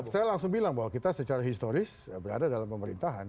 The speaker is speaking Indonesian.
saya langsung bilang bahwa kita secara historis berada dalam pemerintahan